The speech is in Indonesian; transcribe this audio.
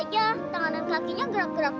tidak akan jadi tawaranku